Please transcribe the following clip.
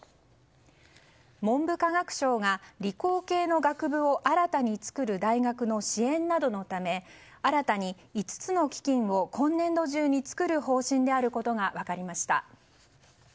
文部科学省が理工系の学部を新たに作る大学の支援などのため新たに５つの基金を今年度中に作る方針であることが分かりました。